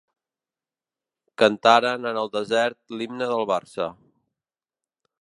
Cantaren en el desert l'himne del Barça.